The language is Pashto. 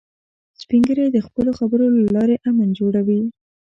سپین ږیری د خپلو خبرو له لارې امن جوړوي